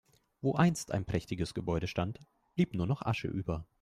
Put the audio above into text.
Wo einst ein prächtiges Gebäude stand, blieb nur noch Asche über.